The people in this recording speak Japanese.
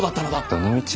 どのみち